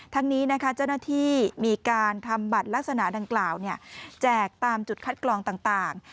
ทั้งนี้นะคะเจ้าหน้าที่มีการทำบัตรลักษณะดังกล่าวแจกตามจุดคัดกรองต่าง